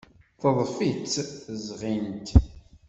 Teḍḍef-itt tezɣint.